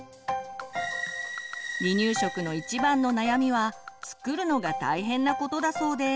離乳食の一番の悩みは作るのが大変なことだそうです。